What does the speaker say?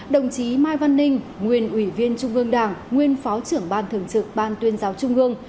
đồng chí mai văn ninh nguyên ủy viên trung ương đảng nguyên phó trưởng ban thường trực ban tuyên giáo trung ương